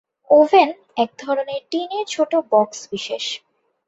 Oven এক ধরনের টিনের ছোট বক্স বিশেষ।